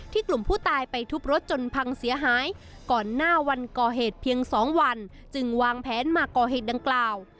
กลุ่มผู้ตายไปทุบรถจนพังเสียหายก่อนหน้าวันก่อเหตุเพียง๒วันจึงวางแผนมาก่อเหตุดังกล่าว